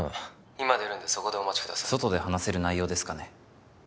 今出るんでそこでお待ちください外で話せる内容ですかね？